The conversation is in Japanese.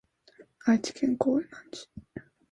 愛知県江南市